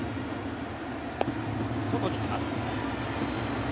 外に来ます。